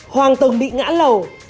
hoàng từng bị ngã lầu